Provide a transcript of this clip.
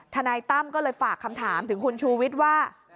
นายตั้มก็เลยฝากคำถามถึงคุณชูวิทย์ว่า